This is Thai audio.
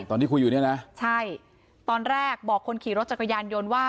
ตอนที่คุยอยู่เนี่ยนะใช่ตอนแรกบอกคนขี่รถจักรยานยนต์ว่า